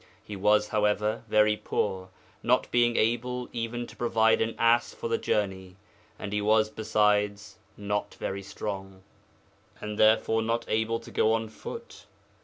He was, however, very poor, not being able even to provide an ass for the journey; and he was besides not very strong, and therefore not able to go on foot.